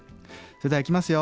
それではいきますよ。